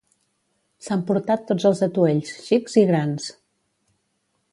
S'ha emportat tots els atuells: xics i grans.